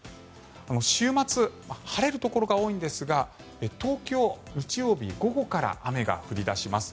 週末、晴れるところが多いんですが東京、日曜日の午後から雨が降り出します。